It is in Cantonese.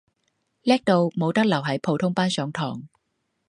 叻到冇得留喺普通班上堂